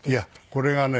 これがね